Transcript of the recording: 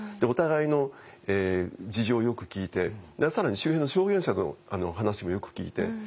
お互いの事情をよく聞いて更に周辺の証言者の話もよく聞いて。